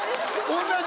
同じ。